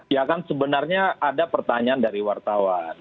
ya kan sebenarnya ada pertanyaan dari wartawan